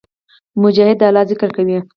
مجاهد د الله ذکر کوي.